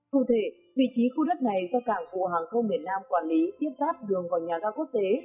cụ thể vị trí khu đất này do cảng hàng không việt nam quản lý tiếp sát đường vào nhà cao quốc tế